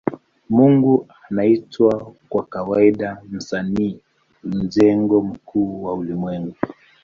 Mungu anaitwa kwa kawaida Msanii majengo mkuu wa ulimwengu.